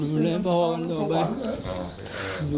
ลูกนั่นแหละที่เป็นคนผิดที่ทำแบบนี้